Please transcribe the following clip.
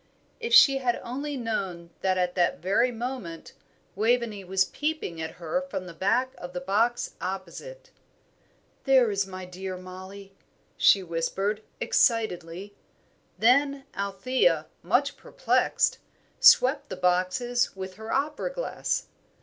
If she had only known that at that very moment Waveney was peeping at her from the back of the box opposite! "There is my dear Mollie," she whispered, excitedly; then Althea, much perplexed, swept the boxes with her opera glass.